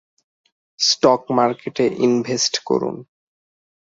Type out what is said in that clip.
Stock মার্কেটে invest করুন।